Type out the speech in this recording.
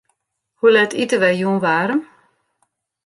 Hoe let ite wy jûn waarm?